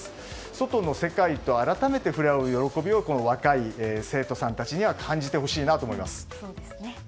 外の世界と改めて触れ合う喜びを若い生徒さんたちには感じてほしいと思います。